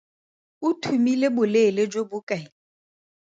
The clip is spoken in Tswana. O thumile boleele jo bo kae?